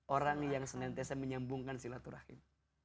orang yang senantiasa menyambungkan silaturahim